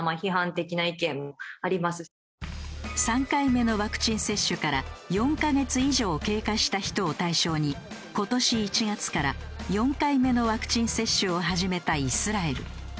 ３回目のワクチン接種から４カ月以上経過した人を対象に今年１月から４回目のワクチン接種を始めたイスラエル。